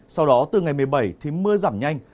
sau đó từ ngày một mươi bảy thì mưa giảm nhanh